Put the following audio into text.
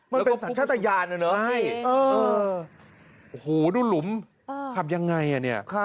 มันเป็นสัญชาติยานนะเนอะพี่โอ้โหดูหลุมขับยังไงอ่ะเนี่ย